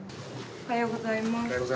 おはようございます。